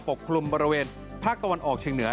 กลุ่มบริเวณภาคตะวันออกเชียงเหนือ